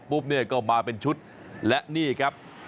เนี่ยก็มาเป็นชุดและนี่ครับ